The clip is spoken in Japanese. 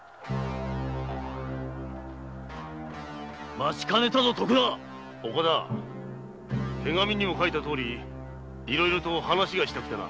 待ちかねたぞ徳田手紙にも書いたとおりいろいろと話がしたくてな。